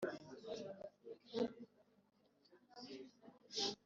n'injyishywa y'abahungu